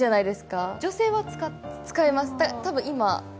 多分女性は使います。